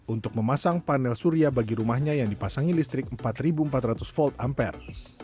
untuk memasang panel surya bagi rumahnya yang dipasangi listrik empat empat ratus volt ampere